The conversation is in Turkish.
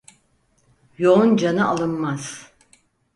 Yoğun canı alınmaz.